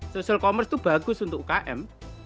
social commerce itu bagus untuk ukm